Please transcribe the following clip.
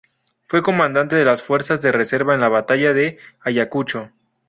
Fue comandante de las fuerzas de reserva en la batalla de Ayacucho.